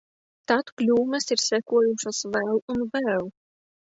Tad kļūmes ir sekojušas vēl un vēl.